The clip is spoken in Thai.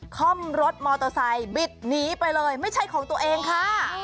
ค่อมรถมอเตอร์ไซค์บิดหนีไปเลยไม่ใช่ของตัวเองค่ะ